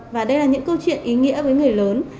và đây là những câu chuyện ý nghĩa với người lớn